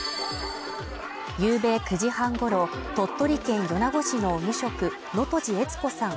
夕べ９時半ごろ鳥取県米子市の無職能登路悦子さん